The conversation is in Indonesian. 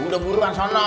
udah buruan sana